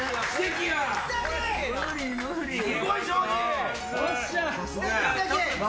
すごい！